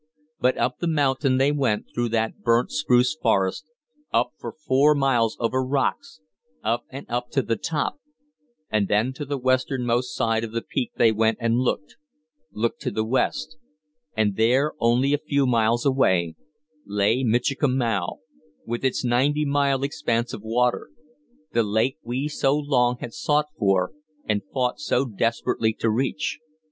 But up the mountain they went through the burnt spruce forest, up for four miles over rocks, up and up to the top; and then to the westernmost side of the peak they went and looked looked to the West; and there, only a few miles away, lay Michikamau with its ninety mile expanse of water the lake we so long had sought for and fought so desperately to reach.